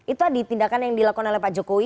itu tadi tindakan yang dilakukan oleh pak jokowi